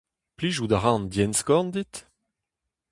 Plijout a ra an dienn-skorn dit ?